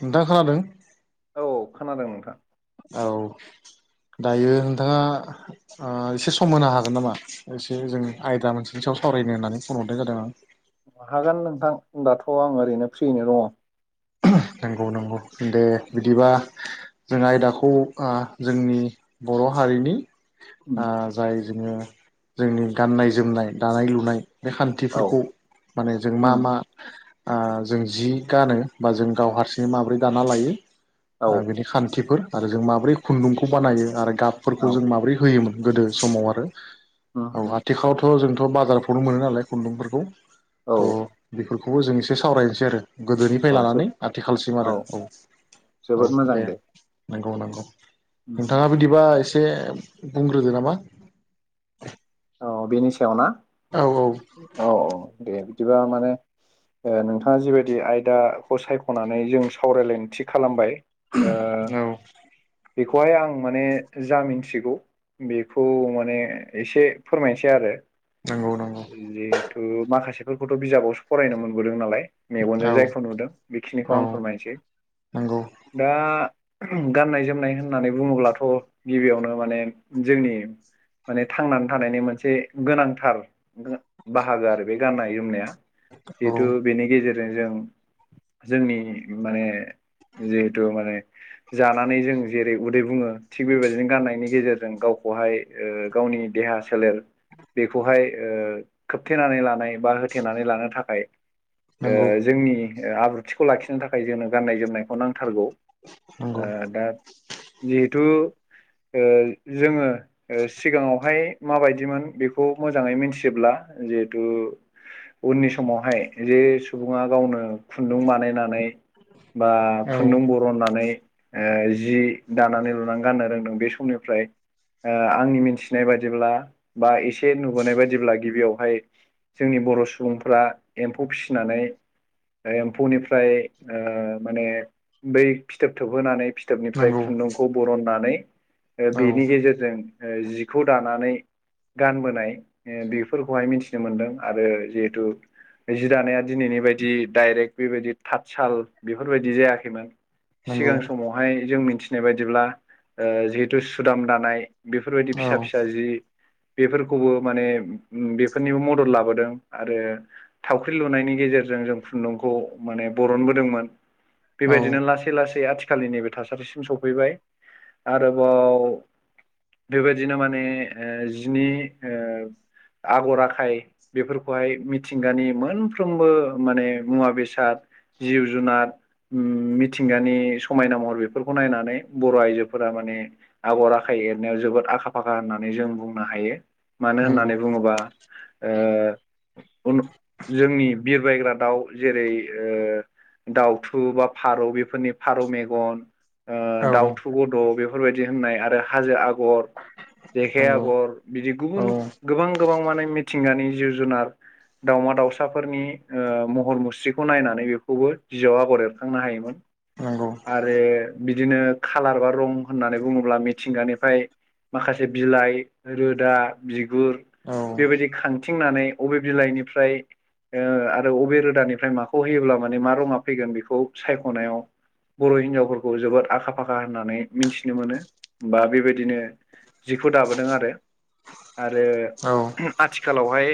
नोंथां खोनादों। औ खोनादों नोंथां। औ दायो नोंथाङा एसे सम होनो हागोन नामा एसे जों आयदा मोनसेनि सायाव सावरायनो होननानै फन हरनाय जादों आं। हागोन नोंथां दाथ' आं ओरैनो फ्रियैनो दङ। नंगौ नंगौ दे दङ बिदिबा। जों आयदाखौ जोंनि बर' हारिनि उम ओ जाय जोङो जोंनि गाननाय जोमनाय दानाय लुनाय। बे औ खान्थिफोरखौ माने जों मा उम मा जों जि गानो बा जों गाव हारसिं माबोरै दाना औ लायो खान्थिफोर आरो जों माबोरै खुन्दुंखौ बानायो आरो गाबफोरखौ औ जों माबोरै होयोमोन। गोदो समाव आरो उम औ उम आथिखालावथ' जोंथ' बाजारफ्रावनो मोनो नालाय खुन्दुंफोरखौ। औ थ' बेफोरखौबो जों एसे सावरायनोसै आरो गोदोनि उफाय औ जोब लानानै आथिखालसिम आरो औ जोबोद औ मोजां दे नंगौ नंगौ। उम नोंथाङा बिदिबा एसे बुंग्रोदो नामा? औ बेनि सायाव ना? औ औ। औ औ दे बिदिबा माने नोंथाङा जिबायदि आयदाखौ सायख'नानै जों सावरायलायनो थि खालामबाय। आ औ बेखौहाय आं माने जा मिन्थिगौ बेखौ माने एसे फोरमायनोसै आरो। नंगौ नंगौ जिहेथु माखासेफोरखौथ' बिजाबावसो फरायनो मोनबोदों नालाय। औ मेगनजों जायखौ नुदों बेखिनिखौ औ आं फोरमायनोसै नंगौ दा गाननाय जोमनाय होननानै बुङोब्लाथ' गिबियावनो माने जोंनि माने थांनानै थानायनि मोनसे गोनांथार बाहागो आरो बे गाननाय जोमनाया औ जिहेथु। बेनि गेजेरजों जों जोंनि माने। जिहेथु माने जानानै जों जेरै उदै बुङो थिग बेबायदिनो गान्नायनि गेजेरजों गावखौहाय गावनि देहा सोलेर बेखौहाय खोबथेनानै लानाय। बा होथेनानै लानो थाखाय नंगौ जोंनि आब्रुथिखौ लाखिनो थाखाय जोंनो गाननाय जोमनायखौ नांथारगौ। नंगौ दा। जिहेथु जोङो सिगाङावहाय। माबायदिमोन बेखौ मोजाङै मिथियोब्ला जिहेथु उननि समावहाय जे सुबुङा गावनो खुन्दुं बानायनानै बा औ खुन्दुं बर रननानै जि दानानै लुनानै गाननो रोंदों बे समनिफ्राय आंनि मिथिनाय बाददिब्ला बा एसे नुबोनाय बायदिब्ला गिबियावहाय जोंनि बर' सुबुंफ्रा एम्फौ फिसिनानै एम्फौनिफ्राय माने बै फिथोब थोबहोनानै निफ्राय नंगौ खुन्दुंखौ बरननानै औ बेनि गेजेरजों। दानानै गानबोनाय बेफोरखौहाय मिथिनो मोन्दों आरो जिहेथु। जििरानाया दिनैनि बायदि दडाइरेक्ट बेबायदि थाथसाल बेफोरबायदि जायाखैमोन। नंगौ सिगां समावहाय जों मिथिनाय बायदिब्ला जिहेथु सुदाम दानाय बेफोरबायदि औ फिसा फिसा बेफोरखौबो माने बेफोरनिबो मदद लाबोदों आरो। थावख्रि लुनायनि गेजेरजों जों खुन्दुंखौ माने बरनबोदोंमोन। औ बेबायदिनो लासै लासै आथि खालि नैबे थासारिसिम सफैबाय आरोबाव बेबा बिदिनो माने जिनि आगर आखाइ बेफोरखौहाय मिथिंगानि मोनफ्रोमबो माने मुवा बेसाद जिउ- जुनार मिथिंगानि समायना महर बेफोरखौ नायनानै बर' आइजोफोरा माने आगर आखाइ एरनायाव जोबोद आखा फाखा होननानै जों बुंनो हायो मानो नंगौ होननानै बुङोबा ओ जोंनि बिर बायग्रा दाउ जेरै दाउथु बा फारौ बेफोरनि फारौ मेगन औ दाउथु गद' बेफोरबायदि होननाय आरो हाजो आगर जेखाइ नंगौ आगर बिदि औ गुबुन गोबां गोबां माने मिथिंगानि जिब -जुनार दाउमा दाउसाफोरनि महर मुस्रिखौ नायनानै बेखौबो बिजआव आगर एरखांनो हायोमोन। नंगौ आरो बिदिनो खाालार बा रं होननानै बुङोब्ला मिथिंगानिफ्राय माखासे बिलाइ रोदा बिगुर औ बेबायदि खांथिंनानै बबे बिलाइनिफ्राय आरो अबे रोदानिफ्राय माखौ होयोब्ला माने मा रङा फैगोन बेखौ सायख'नायाव बर' हिनजावफोरखौ जोबोद आखा फाखा होननानै मिथिनो मोनो बा बेबायदिनो जिखौ दाबोदों आरो आरो औ आथिखालावहाय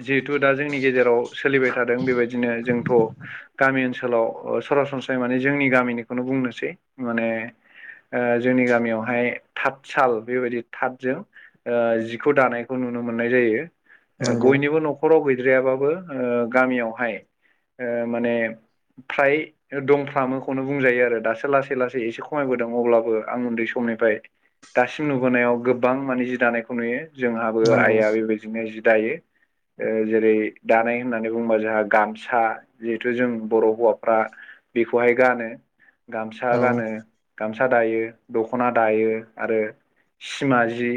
जिहेथु दा जोंनि गेजेराव सोलिबाय थादों बेबायदिनो जोंथ' गामि ओनसोलाव सरासनस्रायै माने जोंनि गामिनिखौनो बुंनोसै माने जोंनि गामियावहाय थाथसााल बेबायदि थाथजों जिखौ दानायखौ नुनो मोननाय जायो। नंगौ बयनिबो न'खराव गैद्रायाबाबो गामियावहाय माने ओमफ्राय दंफोखौनो बुंजायो आरो दासो लासै लासै एसे खमायबोदों अब्लाबो आं उन्दै समनिफाय दासिम नुबोनायाव गोबां माने जि दानायखौ नुयो जोंहाबो नंगौ आइआ बेबायदिनो जि दायो। जेरै दानाय होननानै बुङोबा जोंहा गामसा जिहेथु जों बर' हौवाफ्रा बेखौहाय गानो गामसा औ गानो गामसा दायो दख'ना दायो। आरो सिमा जि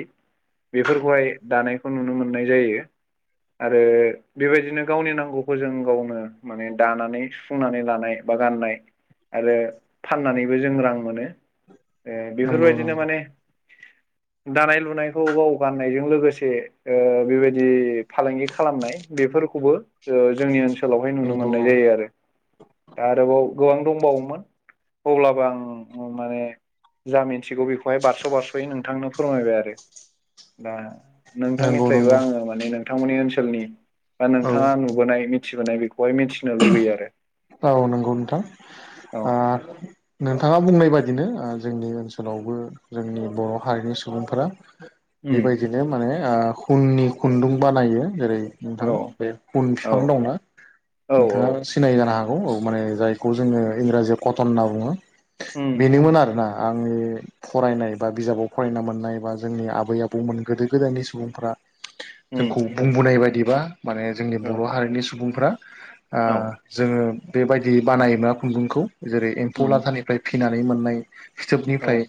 बेफोरखौहाय दानायखौ नुनो मोननाय जायो। आरो बेबायदिनो गावनि नांगौखौ जों गावनो माने दानानै सुफुंनानै लानाय बा गाननाय आरो फाननानैबो जों रां मोनो। ए नंगौ नंगौ बेफोरबायदिनो माने दानाय -लुनायखौ गाव गाननायजों लोगोसे बेबायदि फालांगि खालामनाय बेफोरखौबो जोंनि ओनसोल ओनसोलावहाय नुनो नंगौ मोननाय औ जायो आरो। दा आरोबाव गोबां दंबावोमोन अब्लाबो आं माने जा मिन्थिगौ बेखौहाय बारसन नोंथांनो फोरमायबाय आरो दा नंगौ नोंथांनिफ्रायबो नंगौ आङो नोंथांनि ओनसोलनि बा औ नोंथाङा नोनाय मिथिनाय बे औ नंगौ नोंथां औ ओ। नोंथाङा बुंनाय बादिनो जोंनि ओनसोलावबो जोंनि बर' हारिनि सुबुंफोरा उम बेबायदिनो माने हुननि खुन्दुं बानायो जेरै औ नोंथां बे उन औ बिफां दंन। औ नोंथाङा औ सिनाय जानो हागौ औ माने जायखौ जोङो इंराजियाव कटन होनना बुङो। उम बेनोमोन आरोना आंनि फरायनाय बा बिजाबाव फरायना मोननाय बा जोंनि आबै आबौमोन गोदो गोदायनि सुबुंफ्रा जोंखौ उम बुंबोनाय बायदिबा माने जोंनि औ बर' हारिनि सुबुंफ्रा औ जोङो बेबायदि बानायोमोना खुन्दुंखौ जेरै एम्फौ उम लाथानिफ्राय फिनानै मोननाय औ फिथोबनिफ्राय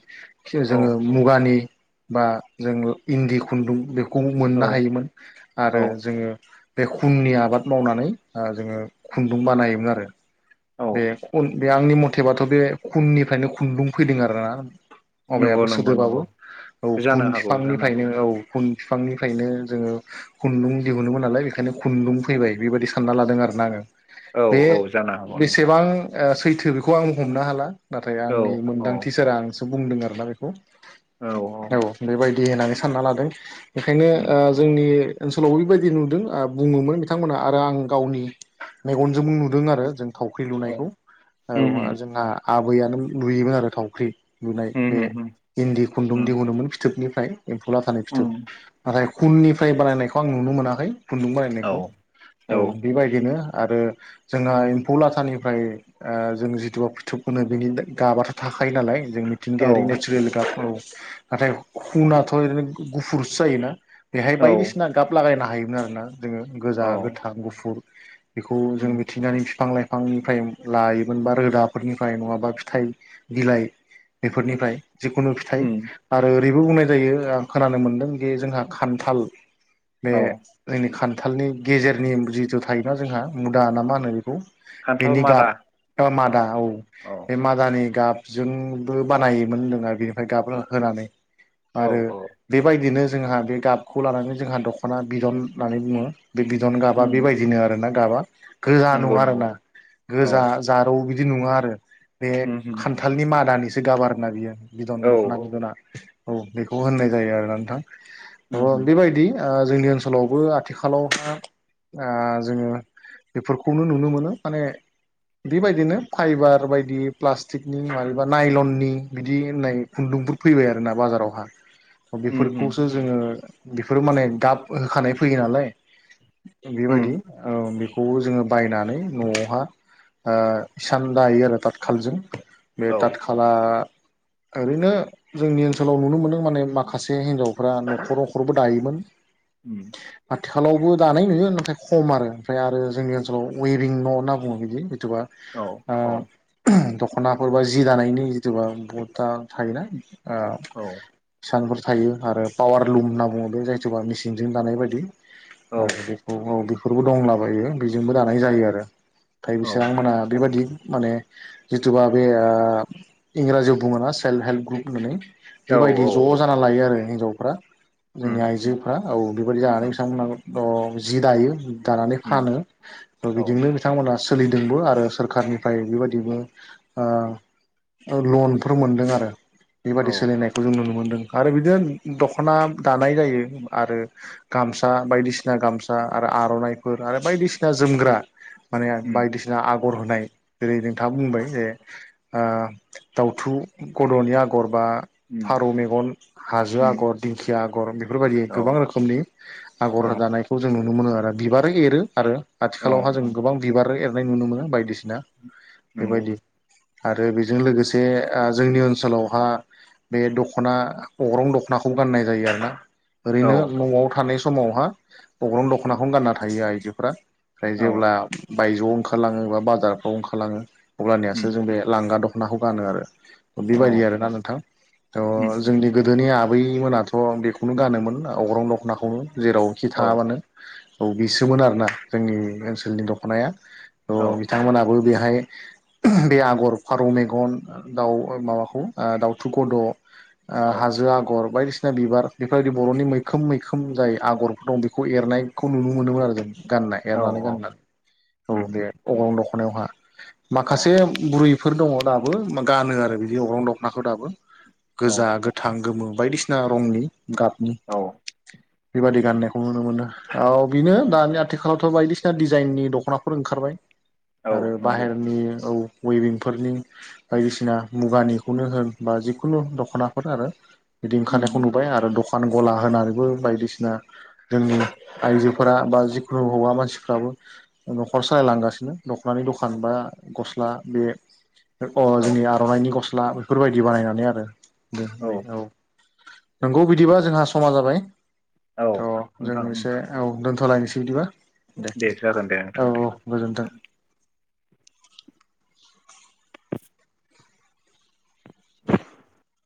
औ जोङो मुगानि बा जोंङ इन्दि खुन्दुं बेखौ मोननो औ हायोमोन। आरो औ जोङो बे खुननि आबाद मावनानै जोङो खुन्दुं बानायोमोन आरो। औ बेन बे आंनि मथेबाथ' बे खुननिफ्रायनो खुन्दुं फैदों आरो ना। नंगौ अभायाबो नंगौ सोदोबाबो नंगौ औ जानो खुन हागौ जानो हागौ बिफांनिफ्रायनो औ खुन बिफांनिफ्रायनो जोङो खुन्दुं दिहुनोमोन नालाय बेखायनो खुन्दुं फैबाय बेबायाददि सानना लादों आरो ना आङो। औ बे औ जानो हागौ नोंथां बेसेबां सैथो बेखौ आं हमनो हाला। नाथाय औ आंनि औ मोनदांथि सार आं बुंदों आरोना बेखौ औ बेबायदि होननानै सानना लादों। बेखायनो उम जोंनि ओनसोलावबो बेबायदि नुदों बुङोमोन बिथांमोना आरो आं गावनि मेगनजोंबो नुदों आरो जों थावख्रि औ लुनायखौ उम औ जोंहा आबैयानो लुयोमोन आरो थावख्रि बुनाय उम बे उम उम इन्दि खुन्दुं उम दिहुुनमोन फिथोबनिफ्राय एम्फौ ला थानाय फिथोब उम नाथाय खुननिफ्राय बानायनायखौ आं नुनो मोनाखै खुन्दुं औ बानायनायखौ औ थ' बेबायदिनो आरो जोंहा फ लाथानिफ्राय जों जिथुुबा फिथोब गो बेनि गाबाथ' थाखायो नालाय जोंनि बिथिंगायारि औ नेचारेल गाब औ नाथाय हुनाथ' ओरैनो गुफुरसो जायोना बेहाय औ बायदिसिना गाब लागायनो हायोमोन आरोना जोङो गोजा औ गोथां गुफुर बेखौ जों उम मिथिनानै बिफां लाइफांनिफ्राय लायोमोन बा रोदाफोरनिफ्राय नङाबा फिथाइ बिलाइ बेफोरनिफ्राय जिखुनु फिथाइ उम आरो ओरैबो बुंनाय जायो आं खोनानो मोनदों जे जोंहा खान्थाल बे औ जोंनि खान्थालनि गेजेरनि जिथु थायोोना जोंहा मुदा ना मा होनो बेखौ खान्थाल बेनि मादा गाब मादा औ बे मादानि गाबजोंबो बानायोमोन जोङो बेनिफ्राय गाब होनानै। औ आरो औ बेबायदिनो जोंहा बे गाबखौ लानानै जोंहा दख'ना बिदन होननानै बुङो बे बिदन गाबा उम बेबायदिनो आरोना गाबा गोजा नंगौ नुवा नंगौ आरोना औ गोजा जारौ बिदि नङा आरो बे उम उम खान्थालनि मादानिसो गाबार ना बियो बिदन औ दख'ना बिदना औ बेखौ होननाय जायो आरोना नोंथां उम उम बेबायदि जोंनि ओनसोलावबो आथिखालावहा जोङो बेफोरखौनो नुनो मोनो माने बेबायदिनो फाइबार बायदि प्लास्टिकनि माबेबा नाइलननि बिदि होननाय खुन्दुंफोर फैबाय आरो ना बाजारावहा उम उम बेफोरखौसो जोङो बेफोरो माने गाब होखानाय फैयो नालाय। बेबायदि उम औ बेखौ जोङो बायनानै न'आवहा इसान दायो आरो थाथखालजों बे औ थाथ खान फाला ओरैनो जोंनि ओनसोलाव नुनो मोन्दों माने माखासे हिनजावफ्रा न'खर न'खरबो दायोमोन। उम आथिखालावबो दानाय नुयो नाथाय खम आरो ओमफ्राय आरो जोंनि ओनसोलाव वेरिं न' होनना बुङो बिदि ओ औ औ दख खनाफोर बा जि दानायनि जिथुुबा बहुथा थायोना औ फिसाफोर थायो आरो पावार लुम होनना बुङो बे जायथबा मेचिनजों दानाय बायदि आरो बेखौ बेफोरबो दंलाबायो बेजोंबो दानाय जायो आरो। दथाय औ बिसोर आंमोनहा बेबायदि माने जिथुबा बे इंराजियाव बुङो ना सेल्फ हेल्प ग्रुप होननानै औ बेबायदि ज' औ जाना लायो आरो हिनजावफ्रा जोंनि उम आइजोफ्रा औ बेबायदि उम जानानै बिथांमोनाबो अ जि दायो दानानै उम फानो। औ जजोंनो बिथांमोना सोलिदोंबो आरो सोरखारनिफ्राय बेबायाददिबो ओ लनफोर मोनदों आरो बेबादि औ सोलिनायखौ जों नुनो मोनदों आरो बिदिनो दख'ना दानाय जायो आरो। गामसा बायदिसिना गामसा आरो आर'नाइफोर आरो बायदिसिना जोमग्रा। माने उम बायदिसिना आगर होनाय जेरै नोंथाङा बुंबाय जे दाउथु गद'नि आगर होननानै उम फारौ मेगन हाजो उम आगर दिंखिया आगर बेफोरबायदि औ गोबां रोखोमनि औ आगर होजानाय खौ जों नुनो मोनो आरो बिबारो एरो आरो औ आथिखालावहा जों गोबां बिबार एरनाय नुनो मोनो बायदिसिना नंगौ बेबायदि आरो बेजों लोगोसे जोंनि ओनसोलावहा बे दख'ना अग्रं दख'नाखौ गाननाय जायो आरो ना। ओरैनो न'आव थानाय समावहा अग्रं दख'नाखौनो गानना थायो आइजोफोरा ओमफ्राय औ जेब्ला बायजो'आव ओंखारलाङो एा बाजारफ्राव ओंखारलाङो अब्लानियासो उम जों बे लांगा द नाखौ गानो आरो औ बेबायदि आरोना नोंथां थ उम जोंनि गोदोनि आबै मोनाथ' आं बेखौनो गानोमोन अग्रं दखनाखौनो जेरावखि औ थाङाबानो औ बिसोमोन आरोना जोंनि ओनसोलनि दख'नाया थ' औ बिथांमोनाबो बेहाय बे आगर फारौ मेगन दाउ माबाखौ दाउथु गद' औ हाजो आगर बायदिसिना बिसिना बिबार बेफोरबायदि बर'नि मैखोम मैखोम जाय आगरफोर दं बेखौ एरनायखौ नुनो मोनोमोन आरो जों गानना औ एरनानै गाननानै औ बे उम अगं दख'नायावहा माखासे बुरै बेफोर दङ दाबो गानो आरो बिदि अख्रं दख'नाखौ दाबो गोजा गोथां गोमो बायदिसिना। बिसिना रंनि गाबनि औ बेबादि गाननायखौ नुनो मोनो। औ बिनो औ दानि आथिखालावथ' बायदिसिना डिजाइननि दख'नाफोर ओंखारबाय। औ आरो नंगौ बाहेरनि औ। वेबिंफोरनि बायदिसिना मुगानिखौनो होन बा जिखुनु दख'नाफोर आरो। बिदि ओंखारनायखौ उम, नुबाय आरो दख फान गला होनानैबो बायदिसिना जोंनि आइजोफोरा बा जिखुनु हौवा मानसि। फाबो न'खर सालायलांगासिनो दख'नानि दखान बा गस्ला बे अ औ जोंनि आर'नाइनि गस्ला बेफोरबायदि बानायनानै आरो ओ औ। नंगौ बिदिबा जोंहा समा जाबाय औ थ' जों नोंथां उम, एसे औ दोनथ'लायनोसै बिदिबा। दे जागोन दे औ नोंथां दे। औ गोजोन्थों